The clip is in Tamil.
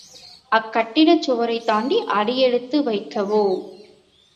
அக்கட்டிடச் சுவரைத்தாண்டி அடியெடுத்து வைக்கவோ.